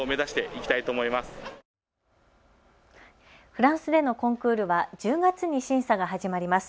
フランスでのコンクールは１０月に審査が始まります。